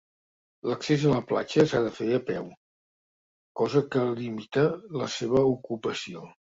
L'accés a la platja s'ha de fer a peu, cosa que limita la seva ocupació.